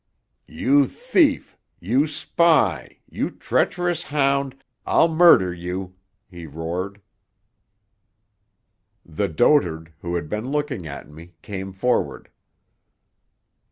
"You thief you spy you treacherous hound, I'll murder you!" he roared. The dotard, who had been looking at me, came forward.